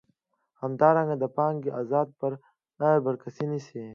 همدارنګه د پانګې ازادي په بر کې نیسي.